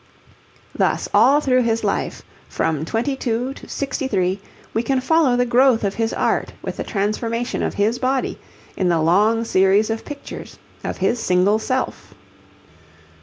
Thus all through his life, from twenty two to sixty three, we can follow the growth of his art with the transformation of his body, in the long series of pictures of his single self.